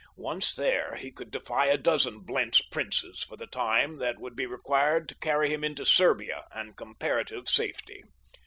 Once there he could defy a dozen Blentz princes for the little time that would be required to carry him into Serbia and comparative safety.